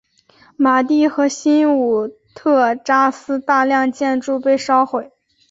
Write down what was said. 马蒂和新武特扎斯大量建筑被烧毁。